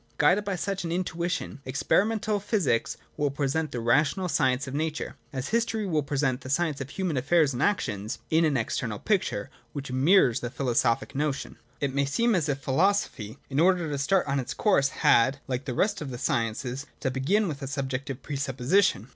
Guided by such an in tuition, experimental physics will present the rational science of Nature, — as history will present the science of human affairs and actions — in an external picture, which mirrors the philosophic notion. 17.] It may seem as if philosophy, in order to start on its course, had, like the rest of the sciences, to begin with a subjective presupposition.